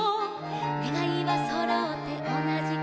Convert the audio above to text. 「ねがいはそろって同じ串」